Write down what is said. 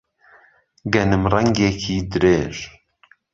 گەنم ڕەنگێکی درێژ